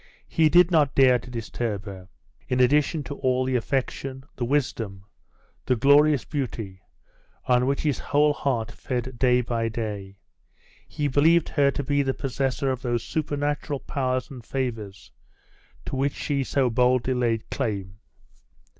He did not dare to disturb her. In addition to all the affection, the wisdom, the glorious beauty, on which his whole heart fed day by day, he believed her to be the possessor of those supernatural powers and favours to which she so boldly laid claim.